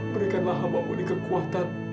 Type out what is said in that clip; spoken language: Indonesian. berikanlah hambamu kekuatan